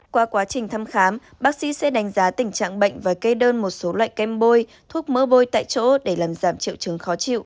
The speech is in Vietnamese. qua quá trình thăm khám bác sĩ sẽ đánh giá tình trạng bệnh và kê đơn một số loại kem bôi thuốc mỡ bôi tại chỗ để làm giảm triệu chứng khó chịu